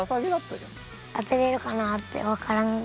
当てれるかなって分からん。